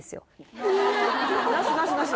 なしなしなし！